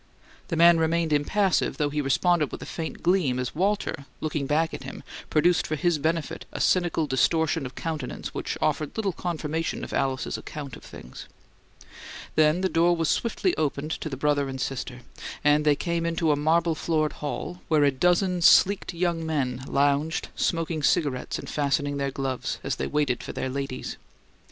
The man remained impassive, though he responded with a faint gleam as Walter, looking back at him, produced for his benefit a cynical distortion of countenance which offered little confirmation of Alice's account of things. Then the door was swiftly opened to the brother and sister; and they came into a marble floored hall, where a dozen sleeked young men lounged, smoked cigarettes and fastened their gloves, as they waited for their ladies.